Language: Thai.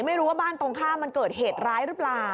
ไม่รู้ว่าบ้านตรงข้ามมันเกิดเหตุร้ายหรือเปล่า